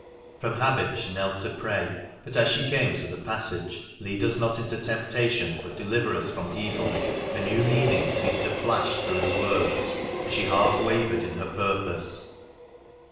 From habit she knelt to pray, but as she came to the passage, " Lead us not into temptation, but deliver us from evil," a new meaning seemed to flash through the words, and she half wavered in her purpose.